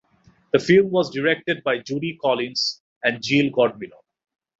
The film was directed by Judy Collins and Jill Godmilow.